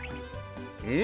うん。